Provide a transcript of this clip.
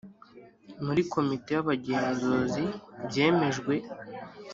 muri Komite y Abagenzuzi byemejwe